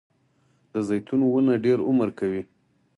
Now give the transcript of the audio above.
د زیتون ونه ډیر عمر کوي